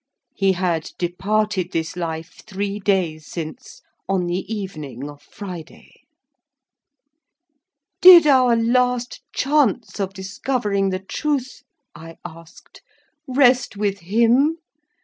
He had departed this life three days since, on the evening of Friday. "Did our last chance of discovering the truth," I asked, "rest with him?